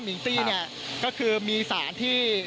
มิงตี้เนี่ยก็คือมีสารที่